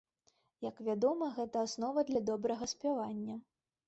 Як вядома, гэта аснова для добрага спявання.